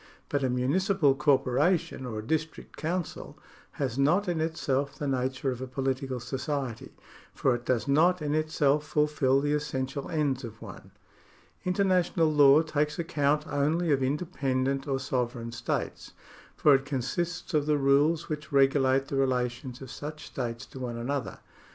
But a municipal corporation or a district council has not in itself the nature of a political society, for it docs not in itself fulfil the essential ends of one. International law takes account only of independent or sovereign states, for it consists of the rules which regulate the relations of such states to one another.